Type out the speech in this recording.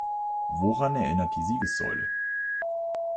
Woran erinnert die Siegessäule?